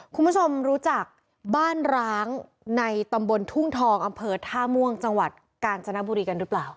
คุณผู้ชมรู้จักบ้านร้างในตำบลทุ่งทองอำเภอท่าม่วงจังหวัดกาญจนบุรีกันหรือเปล่า